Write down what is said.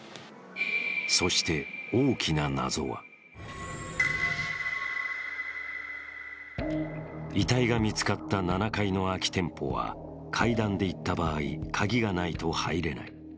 そして大きな謎は遺体が見つかった７階の空き店舗は階段で行った場合鍵がないと入れない。